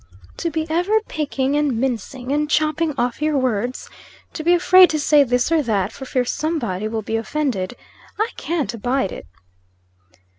To be ever picking and mincing, and chopping off your words to be afraid to say this or that for fear somebody will be offended! I can't abide it!"